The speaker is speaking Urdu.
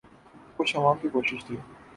کچھ عوام کی کوشش تھی۔